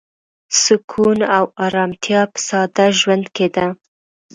سکون او ارامتیا په ساده ژوند کې ده.